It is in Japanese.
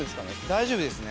大丈夫ですね。